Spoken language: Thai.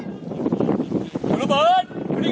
ช่วงระเบิดข้าวดีกำลัง